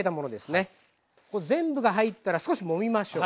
全部が入ったら少しもみましょう。